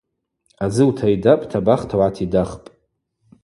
Адзы утайдапӏта бахта угӏатидахпӏ.